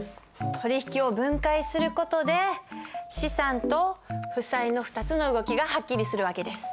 取引を分解する事で資産と負債の２つの動きがはっきりする訳です。